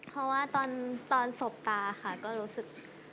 เพราะว่าตอนสบตาค่ะก็รู้สึก